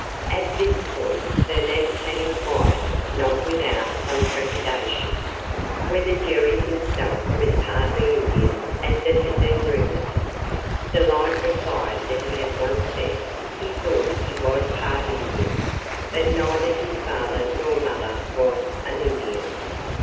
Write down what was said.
At this point Bernice had inquired, not without some trepidation, whether Jerry himself was partly Indian as it had been rumored. Delight replied that he had once said he thought he was part Indian, but neither his father nor mother was an Indian.